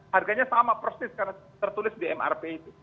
harganya sama persis karena tertulis di mrp itu